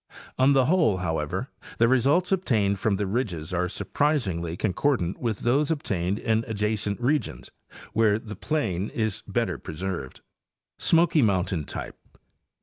On the whole, how ever, the results obtained from the ridges are surprisingly con cordant with those obtained in adjacent regions where the plain is better preserved. Smoky Mountain Type.